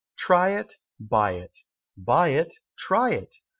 Try it buy it! Buy it try it!